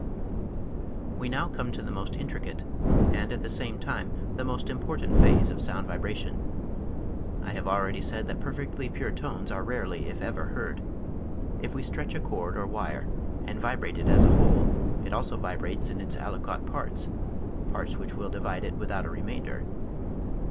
We now come to the most intricate and at the same time the most important phase of sound vibration. I have already said that per fectly pure tones are rarely if ever heard. If we stretch a cord or wire and vibrate it as a whole it also vibrates in its aliquot parts (parts which will divide it without a re mainder).